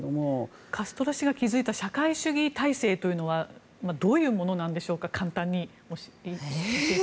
カストロ氏が築いた社会主義体制というのはどういうものなんでしょうか？